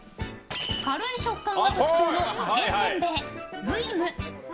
軽い食感が特徴の揚げせんべい瑞夢。